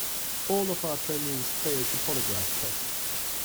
All of our trainees failed the polygraph test.